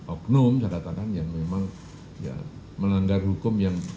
oknum secara tahan yang memang melanggar hukum yang